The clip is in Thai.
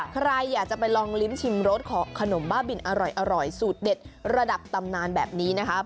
ใครอยากจะไปลองลิ้มชิมรสของขนมบ้าบินอร่อยสูตรเด็ดระดับตำนานแบบนี้นะครับ